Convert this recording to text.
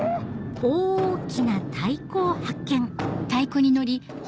大きな太鼓を発見